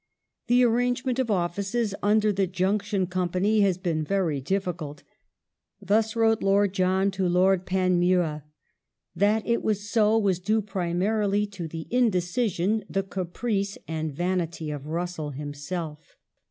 " The arrangement of offices under the Junction company has been very difficult." Thus wrote Lord John to Lord Panmure.^ That Attitude of it was so was due primarily to the indecision, the caprice, and van R^gsJiJ'^" ity of Russell himself.